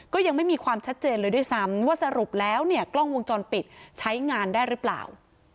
ก็ยังไม่มีความชัดเจนเลยด้วยซ้ำว่าสรุปแล้วเนี่ยกล้องวงจรปิดใช้งานได้หรือเปล่า